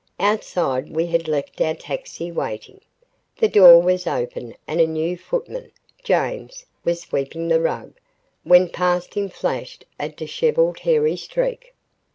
Outside we had left our taxi, waiting. The door was open and a new footman, James, was sweeping the rug, when past him flashed a dishevelled hairy streak.